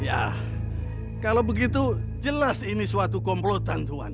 ya kalau begitu jelas ini suatu komplotan tuhan